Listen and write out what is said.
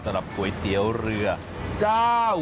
สำหรับก๋วยเตี๋ยวเรือเจ้า